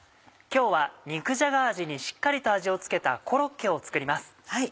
今日は肉じゃが味にしっかりと味を付けたコロッケを作ります。